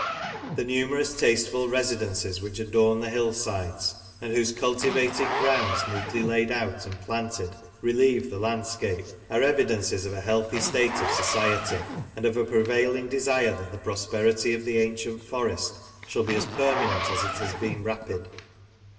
The numerous tasteful residences which adorn the hill sides, and whose cultivated grounds, neatly laid out and planted, relieve the landscape, are evidences of a healthy state of society, and of a pre vailing desire that the prosperity of the ancient Forest shall be as permanent as it has been rapid.